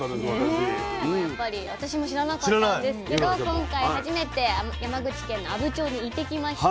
やっぱり私も知らなかったんですけど今回初めて山口県の阿武町に行ってきました。